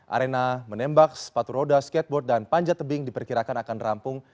arena menembak sepatu roda skateboard dan panjat tebing diperkirakan akan rampung